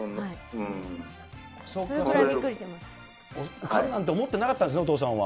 受かるなんて思ってなかったんですね、お父さんは。